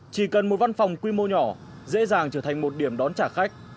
chỉ cần một văn phòng quy mô nhỏ dễ dàng trở thành một điểm đón trả khách